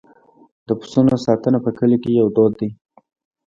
د پسونو ساتنه په کلیو کې یو دود دی.